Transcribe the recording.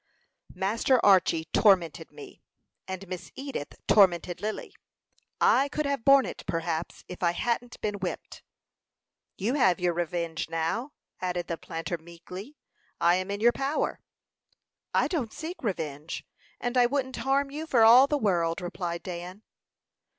Master Archy tormented me, and Miss Edith tormented Lily. I could have borne it, perhaps, if I hadn't been whipped." "You have your revenge now," added the planter, meekly. "I am in your power." "I don't seek revenge, and I wouldn't harm you for all the world," replied Dan.